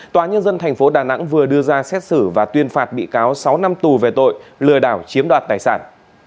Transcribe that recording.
tòa nhân dân tp đà nẵng vừa đưa ra xét xử và tuyên phạt bị cáo sáu năm tù về tội lừa đảo chiếm đoạt tài sản